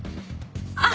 あっ！